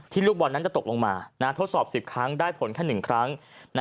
ลูกบอลนั้นจะตกลงมาทดสอบ๑๐ครั้งได้ผลแค่๑ครั้ง